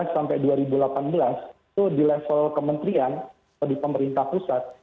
dua ribu sampai dua ribu delapan belas itu di level kementerian atau di pemerintah pusat